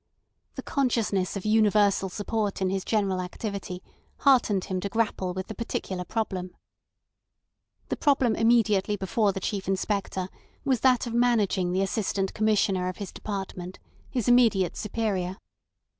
The consciousness of universal support in his general activity heartened him to grapple with the particular problem. The problem immediately before the Chief Inspector was that of managing the Assistant Commissioner of his department, his immediate superior.